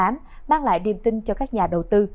mang lại điềm tin cho các nhà đầu tư